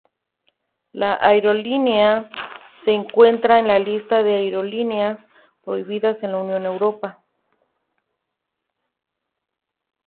La aerolínea se encuentra en la Lista de aerolíneas prohibidas en la Unión Europea.